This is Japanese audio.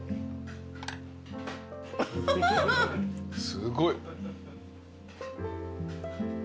すごい。